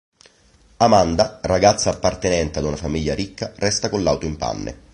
Amanda, ragazza appartenente ad una famiglia ricca, resta con l'auto in panne.